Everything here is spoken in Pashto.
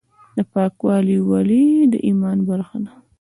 پاکوالی ولې د ایمان برخه ده؟